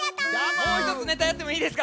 もうひとつネタやってもいいですか？